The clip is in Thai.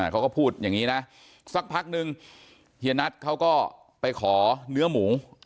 เขาก็พูดอย่างนี้นะสักพักนึงเฮียนัทเขาก็ไปขอเนื้อหมู